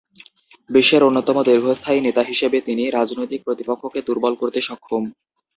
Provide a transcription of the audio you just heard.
বিশ্বের অন্যতম দীর্ঘস্থায়ী নেতা হিসেবে তিনি রাজনৈতিক প্রতিপক্ষকে দূর্বল করতে সক্ষম।